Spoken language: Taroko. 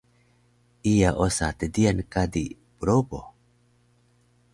iya osa tdiyan kadi probo